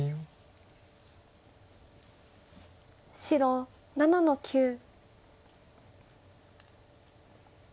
白７の九。